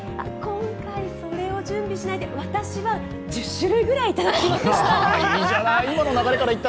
今回、それを準備しないで私は１０種類ぐらい食べました。